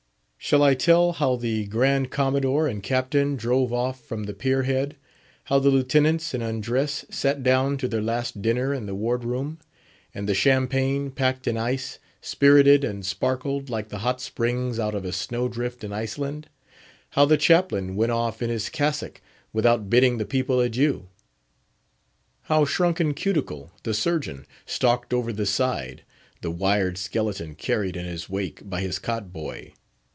Shall I tell how the grand Commodore and Captain drove off from the pier head? How the Lieutenants, in undress, sat down to their last dinner in the ward room, and the champagne, packed in ice, spirted and sparkled like the Hot Springs out of a snow drift in Iceland? How the Chaplain went off in his cassock, without bidding the people adieu? How shrunken Cuticle, the Surgeon, stalked over the side, the wired skeleton carried in his wake by his cot boy?